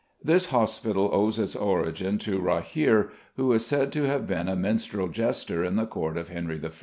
This hospital owes its origin to Rahere, who is said to have been a minstrel jester at the court of Henry I.